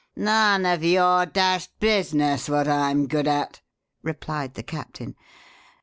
"None of your dashed business what I'm good at," replied the captain.